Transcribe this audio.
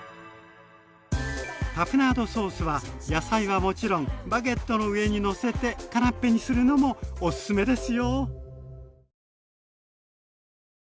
タプナードソースは野菜はもちろんバゲットの上に載せてカナッペにするのもおすすめですよ。